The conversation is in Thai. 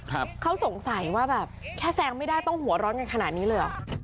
เขาสงสัยว่าแบบแค่แซงไม่ได้ต้องหัวร้อนกันขนาดนี้เลยเหรอ